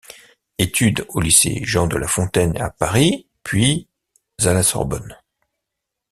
Études au lycée Jean de La Fontaine à Paris, puis à la Sorbonne.